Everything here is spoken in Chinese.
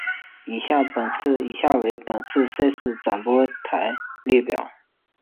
以下为本次赛事转播台列表。